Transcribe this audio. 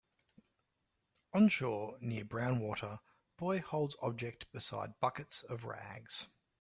On shore near brown water, boy holds object beside buckets of rags.